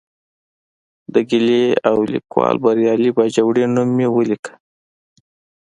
د ګیلې او لیکوال بریالي باجوړي نوم مې ولیکه.